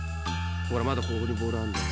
［ほらまだここにボールあんだよ］